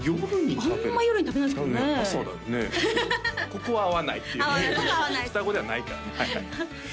ここは合わないっていうね双子ではないからね